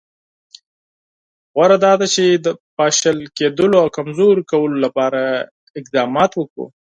بهتره دا ده چې د پاشل کېدلو او کمزوري کولو لپاره اقدامات وکړو.